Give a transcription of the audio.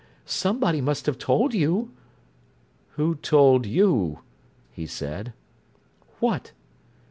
Somebody must have told you?" "Who told you?" he said. "What?"